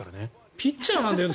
ピッチャーなんだよね。